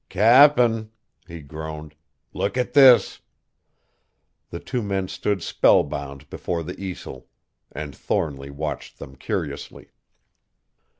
"Cap'n!" he groaned, "look at this!" The two men stood spellbound before the easel, and Thornly watched them curiously.